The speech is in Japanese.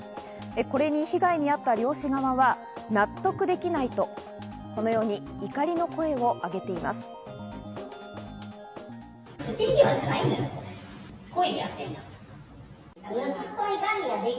これに被害に遭った漁師側は納得できないとこのように怒りの声を上げています。